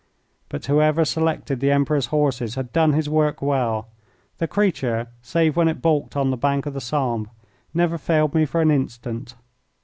But whoever selected the Emperor's horses had done his work well. The creature, save when it balked on the bank of the Sambre, never failed me for an instant.